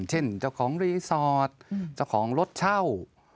เช่นเจ้าของทราบเจ้าของรถเช่า